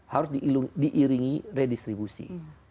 harus diiringi redistribusi